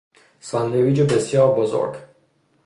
ساندویچ بسیار بزرگ